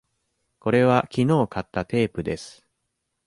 これはきのう買ったテープです。